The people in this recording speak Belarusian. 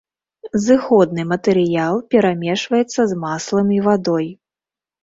Зыходны матэрыял перамешваецца з маслам і вадой.